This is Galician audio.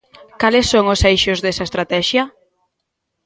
Cales son os eixos desa estratexia?